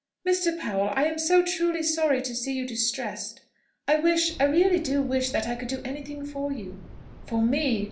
"Mr. Powell, I am so truly sorry to see you distressed! I wish I really do wish that I could do anything for you!" "For me!